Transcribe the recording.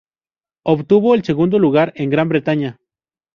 Obtuvo el segundo lugar en Gran Bretaña.